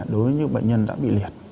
đối với những bệnh nhân đã bị liệt